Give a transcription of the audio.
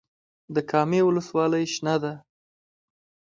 د کامې ولسوالۍ شنه ده